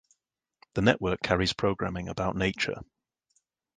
The network carries programming about nature.